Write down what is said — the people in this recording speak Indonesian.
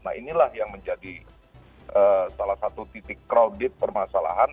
nah inilah yang menjadi salah satu titik crowded permasalahan